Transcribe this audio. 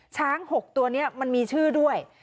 ช้าง๖ตัวนี้มันมีชื่อด้วย